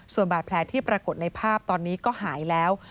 ส่วนบาดแผลที่ปรากฏในภาพตอนนี้ก็หายแล้ว